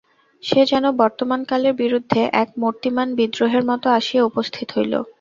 সে যেন বর্তমান কালের বিরুদ্ধে এক মূর্তিমান বিদ্রোহের মতো আসিয়া উপস্থিত হইল।